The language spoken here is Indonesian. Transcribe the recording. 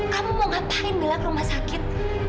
kamu mau ngapain mila ke rumah sakit